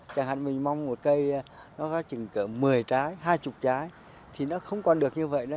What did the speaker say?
chẳng hạn mình mong một cây nó quá chừng cỡ một mươi trái hai mươi trái thì nó không còn được như vậy nữa